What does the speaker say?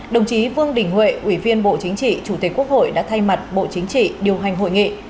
đồng chí vương đình huệ ủy viên bộ chính trị chủ tịch quốc hội đã thay mặt bộ chính trị điều hành hội nghị